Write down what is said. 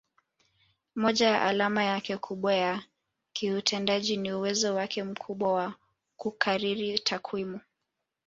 Moja ya alama yake kubwa ya kiutendaji ni uwezo wake mkubwa wa kukariri takwimu